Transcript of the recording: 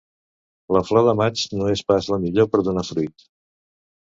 La flor de maig no és pas la millor per donar fruit.